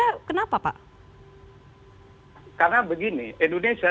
karena kenapa pak karena begini indonesia